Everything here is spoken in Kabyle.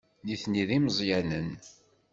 Nitni d imeẓyanen.